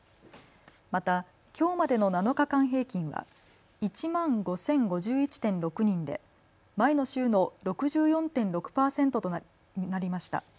またきょうまでの７日間平均は１万５０５１．６人で前の週の６４．６％となりました。